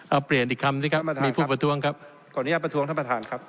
เอาเปลี่ยนอีกคำสิครับมีผู้ประท้วงครับ